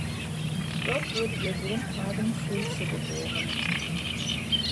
Dort wurde ihr Sohn Hagen Schulze geboren.